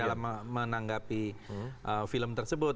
dalam menanggapi film tersebut